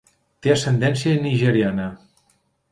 Té ascendència nigeriana.